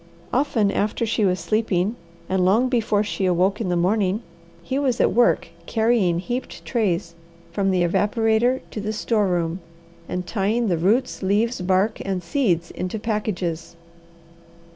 Often after she was sleeping, and long before she awoke in the morning, he was at work carry ing heaped trays from the evaporator to the store room, and tying the roots, leaves, bark, and seeds into packages.